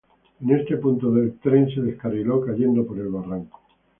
En este punto el tren se descarriló, cayendo por el barranco.